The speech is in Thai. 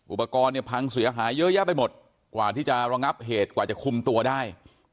อุปกรณ์เนี่ยพังเสียหายเยอะแยะไปหมดกว่าที่จะระงับเหตุกว่าจะคุมตัวได้